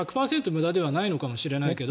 無駄ではないのかもしれないけど。